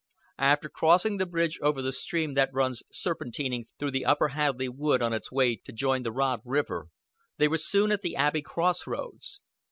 After crossing the bridge over the stream that runs serpentining through the Upper Hadleigh Wood on its way to join the Rod River, they were soon at the Abbey Cross Roads.